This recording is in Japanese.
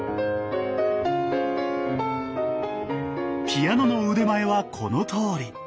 ピアノの腕前はこのとおり。